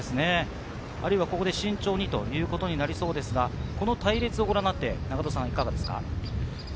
慎重にということになりそうですが、隊列をご覧になっていかがですか？